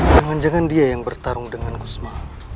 jangan jangan dia yang bertarung dengan gusma